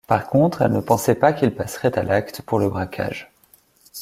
Par contre, elle ne pensait pas qu'il passerait à l'acte pour le braquage.